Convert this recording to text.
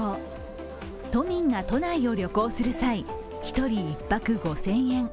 都民が都内を旅行する際、１人１泊５０００円。